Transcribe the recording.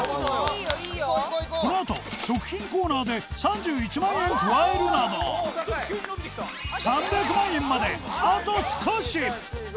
このあと食品コーナーで３１万円加えるなど３００万円まであと少し！